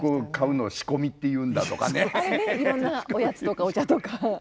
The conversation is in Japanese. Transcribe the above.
あれねいろんなおやつとかお茶とか。